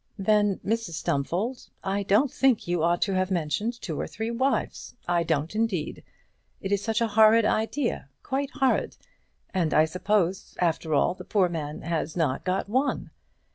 "Then, Mrs Stumfold, I don't think you ought to have mentioned two or three wives. I don't, indeed. It is such a horrid idea, quite horrid! And I suppose, after all, the poor man has not got one?"